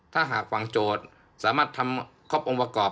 ถ้าหากฝั่งโจทย์สามารถทำครบองค์ประกอบ